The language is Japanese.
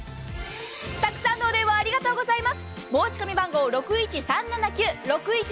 たくさんのお電話ありがとうございます。